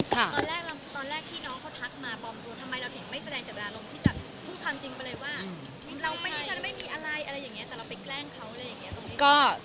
ตอนแรกที่น้องเขาทักมาทำไมเราถึงไม่แสดงจบร้าลม